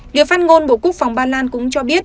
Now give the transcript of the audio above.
người phát ngôn bộ quốc phòng ba lan cũng cho biết